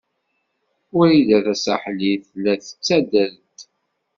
Wrida Tasaḥlit tella tettader-d.